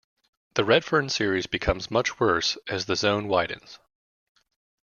The Redfearn series become much worse as the zone widens.